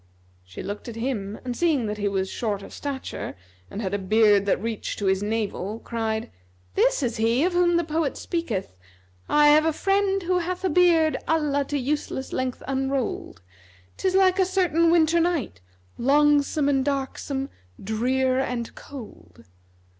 She looked at him and seeing that he was short of stature[FN#271] and had a beard that reached to his navel, cried, "This is he of whom the poet speaketh, 'I have a friend who hath a beard * Allah to useless length unroll'd: 'Tis like a certain[FN#272] winter night, * Longsome and darksome, drear and cold.'"